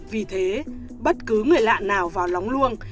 vì thế bất cứ người lạ nào vào lóng luông